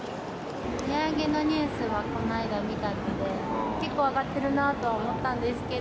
値上げのニュースはこの間見たので、結構上がってるなと思ったんですけど。